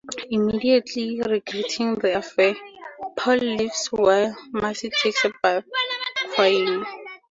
Immediately regretting the affair, Paul leaves while Marcy takes a bath, crying.